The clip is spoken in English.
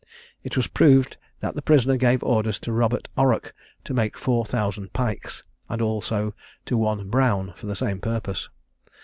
It was proved that the prisoner gave orders to Robert Orrock to make four thousand pikes; and also to one Brown for the same purpose.